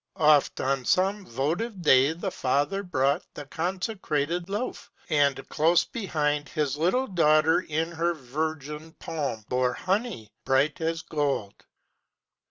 Oft on some votive day the father brought The consecrated loaf, and close behind His little daughter in her virgin palm Bore honey bright as gold.